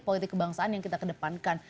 politik kebangsaan yang kita kedepankan